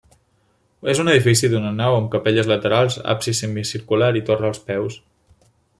És un edifici d'una nau amb capelles laterals, absis semicircular i torre als peus.